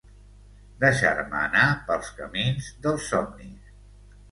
Deixar-me anar pels camins dels somnis...